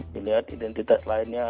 dilihat identitas lainnya